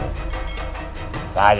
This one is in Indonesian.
kamu akan menangkan saya